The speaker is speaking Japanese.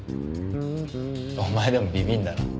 お前でもビビるんだな。